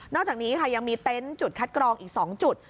อกจากนี้ค่ะยังมีเต็นต์จุดคัดกรองอีก๒จุด